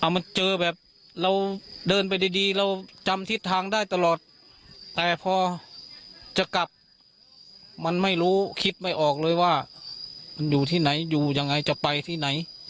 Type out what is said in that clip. มันเจอแบบเราเดินไปดีเราจำทิศทางได้ตลอดแต่พอจะกลับมันไม่รู้คิดไม่ออกเลยว่ามันอยู่ที่ไหนอยู่ยังไงจะไปที่ไหน